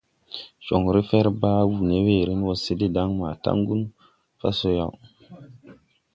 Joŋren fer baa wuu ne weeren wɔ se de daŋ maa taŋgun so yaw.